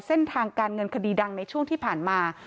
เส้นทางการเงินคดีดังในช่วงที่ผ่านมา